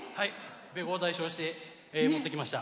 べこを代表して持ってきました。